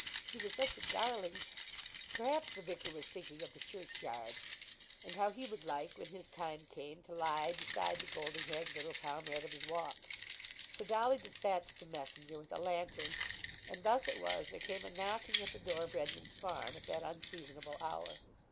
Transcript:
He was such a darling.' Perhaps the vicar was thinking of the church yard, and how he would like, when his time came, to lie beside the golden haired little comrade of his walks. So Dolly despatched the messenger with a lantern, and thus it was there came a knocking at the door of Redman's Farm at that unseasonable hour.